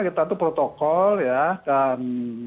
kita tuh protokol ya dan